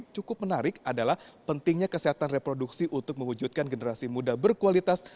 cukup menarik adalah pentingnya kesehatan reproduksi untuk mewujudkan generasi muda berkualitas